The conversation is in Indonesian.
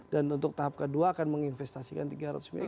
dan untuk tahap kedua akan menginvestasikan tiga ratus miliar